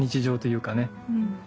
うん。